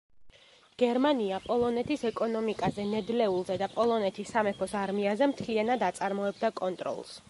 გერმანია პოლონეთის ეკონომიკაზე, ნედლეულზე და პოლონეთის სამეფოს არმიაზე მთლიანად აწარმოებდა კონტროლს.